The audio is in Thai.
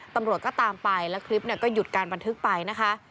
ตำรวจก็ตามไปแล้วคลิปก็หยุดการบันทึกไปนะคะ